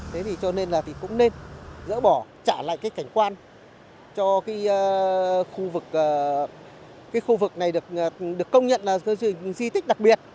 thế thì cho nên là cũng nên rỡ bỏ trả lại cái cảnh quan cho cái khu vực này được công nhận là di tích đặc biệt